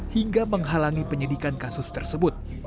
hingga menghalangi penyidikan kasus tersebut